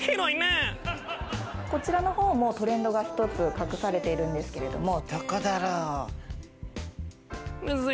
こちらの方もトレンドが１つ隠されているんですけれども。